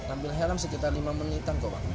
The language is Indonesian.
ambil helm sekitar lima menit